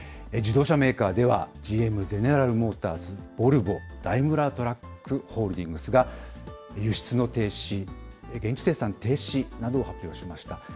自動車メーカーでは、ＧＭ・ゼネラル・モーターズ、ボルボ、ダイムラートラックホールディングスが輸出の停止、現地生産停止などを発表しました。